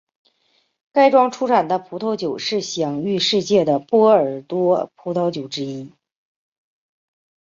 该庄出产的葡萄酒是享誉世界的波尔多葡萄酒之一。